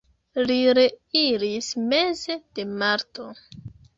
Li reiris meze de marto.